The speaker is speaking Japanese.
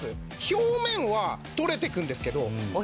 表面は取れていくんですけど。